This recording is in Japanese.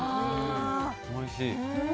おいしい。